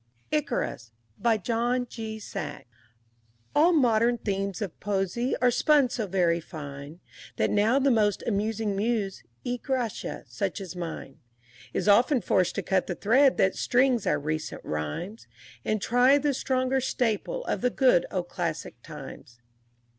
ICARUS BY JOHN G. SAXE I All modern themes of poesy are spun so very fine, That now the most amusing muse, e gratia, such as mine, Is often forced to cut the thread that strings our recent rhymes, And try the stronger staple of the good old classic times.